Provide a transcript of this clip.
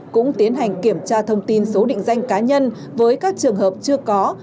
cũng tiến hành kiểm tra thông tin số định danh cá nhân với các trường hợp chưa có